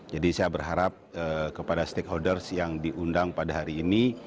jadi saya berharap kepada stakeholders yang diundang pada hari ini